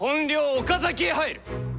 岡崎へ入る！